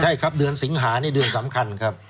ใช่ครับเดือนสิงหานี่เดือนสำคัญครับ